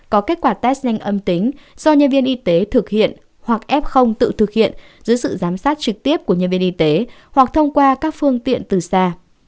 có kết quả test nhanh âm tính do nhân viên y tế thực hiện hoặc f tự thực hiện dưới sự giám sát trực tiếp của nhân viên y tế hoặc thông qua các phương tiện từ xa